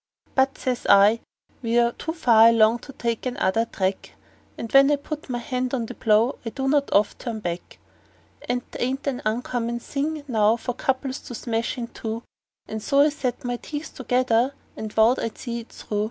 "But," says I, "we're too far along to take another track, And when I put my hand to the plow I do not oft turn back; And 'tain't an uncommon thing now for couples to smash in two;" And so I set my teeth together, and vowed I'd see it through.